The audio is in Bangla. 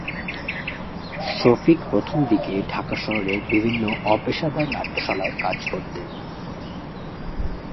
শফিক প্রথমদিকে ঢাকা শহরের বিভিন্ন অপেশাদার নাট্যশালায় কাজ করতেন।